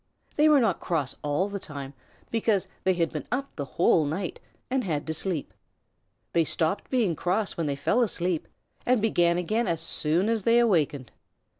They were not cross all the time, because they had been up the whole night and had to sleep. They stopped being cross when they fell asleep and began again as soon as they awakened.